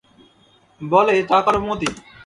বলে, চা করো মতি।